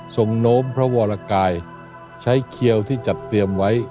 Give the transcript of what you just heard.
โน้มพระวรกายใช้เขียวที่จัดเตรียมไว้